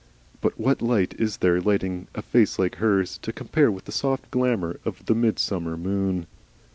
But what light is there lighting a face like hers, to compare with the soft glamour of the midsummer moon?